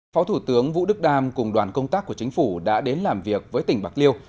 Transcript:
phó thủ tướng vũ đức đam cùng đoàn công tác của chính phủ đã đến làm việc với tỉnh bạc liêu